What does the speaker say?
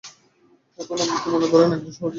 এখন, আপনি কি মনে করেন একজন সহযোগী।